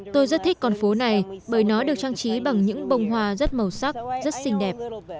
tôi rất thích con phố này bởi nó được trang trí bằng những bông hoa rất màu sắc rất xinh đẹp